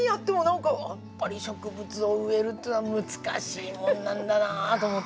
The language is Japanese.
やっぱり植物を植えるっていうのは難しいもんなんだなと思って。